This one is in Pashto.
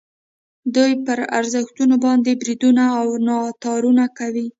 دوی پر ارزښتونو باندې بریدونه او ناتارونه کوي.